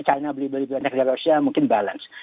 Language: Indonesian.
china beli beli banyak dari rusia mungkin balance